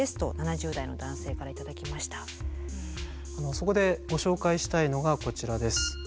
そこでご紹介したいのがこちらです。